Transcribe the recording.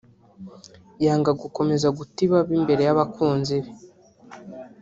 yanga gukomeza guta ibaba imbere y’abakunzi be